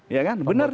ya kan benar ya